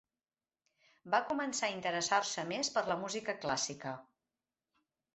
Va començar a interessar-se més per la música clàssica.